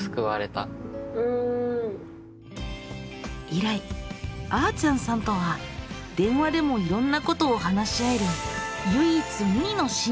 以来あーちゃんさんとは電話でもいろんなことを話し合える